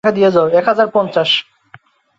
নাম উপর থেকে।